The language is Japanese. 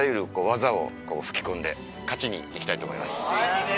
いいね。